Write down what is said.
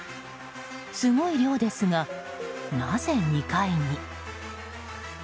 すごい量ですが、なぜ、２階に？